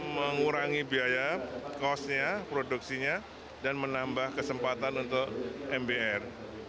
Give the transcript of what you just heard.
mengurangi biaya kosnya produksinya dan menambah kesempatan untuk mbr